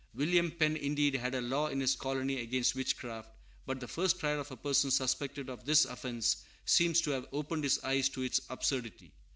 William Penn, indeed, had a law in his colony against witchcraft; but the first trial of a person suspected of this offence seems to have opened his eyes to its absurdity.